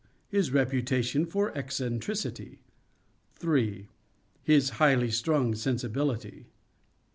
His reputation for eccentricity. 3. His highly strung sensibility.